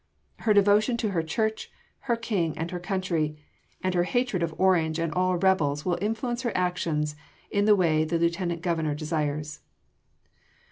"Her devotion to her Church, her King and her country, and her hatred of Orange and all rebels will influence her actions in the way the Lieutenant Governor desires."